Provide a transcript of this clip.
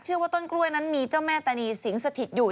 ว่าต้นกล้วยนั้นมีเจ้าแม่ตานีสิงสถิตอยู่